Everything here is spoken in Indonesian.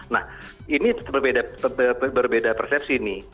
nah ini berbeda persepsi nih